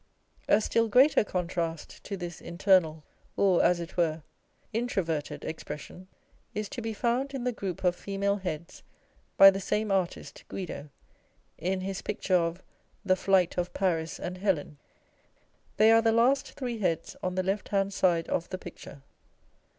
A still greater contrast to this internal, or as it were, introverted expression, is to be found in the group of female heads by the same artist, Guido, in his picture of the " Flight of Paris and Helen." They are the last three heads on the left hand side of the picture.